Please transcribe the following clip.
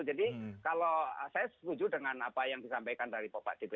jadi kalau saya setuju dengan apa yang disampaikan dari bapak dpr